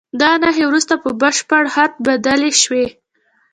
دا نښې وروسته په بشپړ خط بدلې شوې.